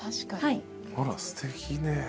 あらすてきね。